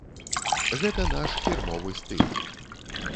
Гэта наш фірмовы стыль.